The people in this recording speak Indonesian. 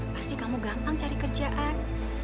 pasti kamu gampang cari kerjaan